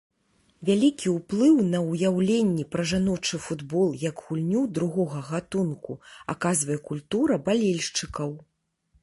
Вялікі ўплыў на ўяўленні пра жаночы футбол як гульню другога гатунку аказвае культура балельшчыкаў.